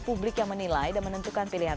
publik yang menilai dan menentukan pilihan